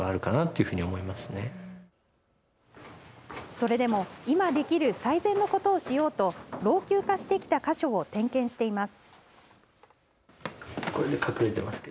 それでも今できる最善のことをしようと老朽化してきた箇所を点検しています。